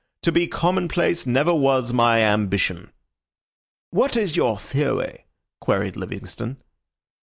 "To be commonplace never was my ambition." "What is your theory?" queried Livingstone.